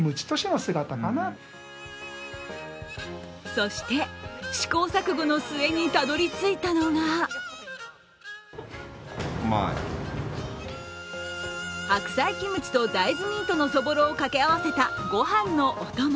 そして、試行錯誤の末にたどり着いたのが白菜キムチと大豆ミートのそぼろをかけ合わせたご飯のお供。